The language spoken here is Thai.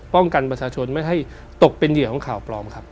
กันประชาชนไม่ให้ตกเป็นเหยื่อของข่าวปลอมครับ